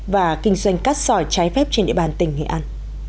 và kinh doanh cát sỏi trái phép trên địa bàn tỉnh nghệ an